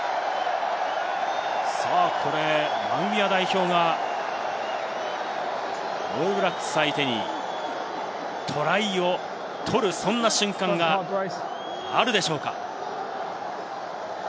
ナミビア代表がオールブラックスを相手にトライを取る瞬間があるでしょうか。